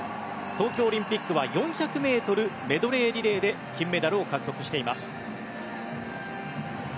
東京オリンピックは４００ｍメドレーリレーで金メダルを獲得しています。